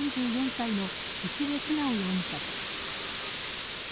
４４歳の市部直容疑者です。